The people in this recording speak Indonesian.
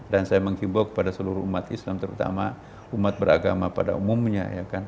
dan saya menghibur kepada seluruh umat islam terutama umat beragama pada umumnya